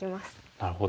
なるほど。